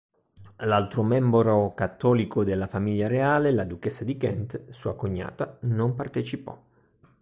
L'altro membro cattolico della famiglia reale, la duchessa di Kent, sua cognata, non partecipò.